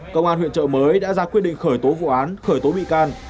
công an huyện trợ mới đã ra quyết định khởi tố vụ án khởi tố bị can